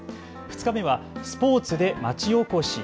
２日目はスポーツでまちおこし。